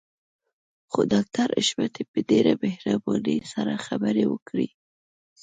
خو ډاکټر حشمتي په ډېره مهربانۍ سره خبرې وکړې.